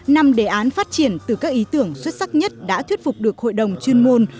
năm hai nghìn một mươi tám năm đề án phát triển từ các ý tưởng xuất sắc nhất đã thuyết phục được hội đồng chuyên môn